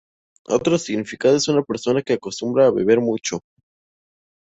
Otro significado es una persona que acostumbra a beber mucho.